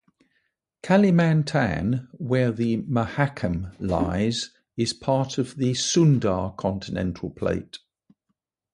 Kalimantan, where the Mahakam lies, is part of the Sunda Continental Plate.